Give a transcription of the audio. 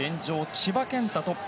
千葉健太がトップ。